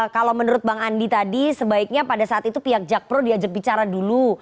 kalau menurut bang andi tadi sebaiknya pada saat itu pihak jakpro diajak bicara dulu